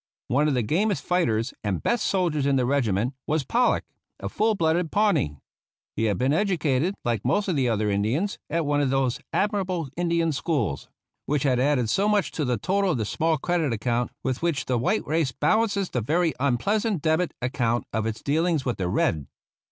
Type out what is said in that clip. One of the gamest fighters and best soldiers in the regiment was Pollock, a full blooded Pawnee. He had been educated, like most of the other Indians, at one of those admira ble Indian schools which have added so much to the total of the small credit account with which the White race balances the very unpleasant debit account of its dealings with the Red.